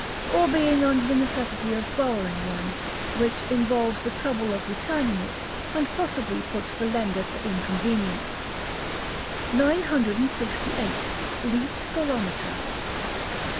or being under the necessity of borrowing one, which involves the trouble of returning it, and possibly puts the lender to inconvenience. 968. Leech Barometer.